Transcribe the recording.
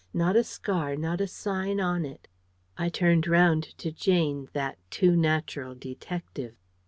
Not a scar not a sign on it. I turned round to Jane, that too natural detective.